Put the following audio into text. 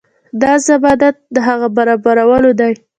دا ضمانت د هغه برابرولو دی.